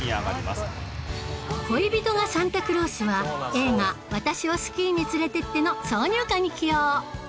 『恋人がサンタクロース』は映画『私をスキーに連れてって』の挿入歌に起用